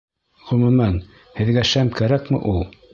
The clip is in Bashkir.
Ғөмүмән, һеҙгә шәм кәрәкме ул?